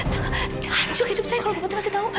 hancur hidup saya kalau gue berhasil tahu